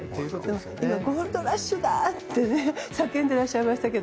ゴールドラッシュだって叫んでらっしゃいましたが。